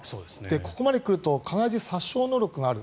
ここまで来ると殺傷能力がある。